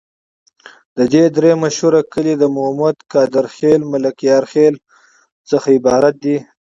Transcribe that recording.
د دي درې مشهور کلي د مومد، قادر خیل، ملکیار خیل څخه عبارت دي.